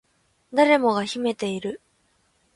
誰もが秘めている